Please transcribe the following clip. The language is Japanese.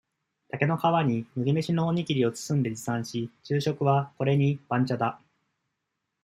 竹の皮に、麦飯のおにぎりを包んで持参し、昼食は、これに、番茶だ。